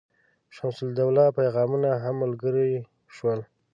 شمس الدوله پیغامونه هم ملګري شول.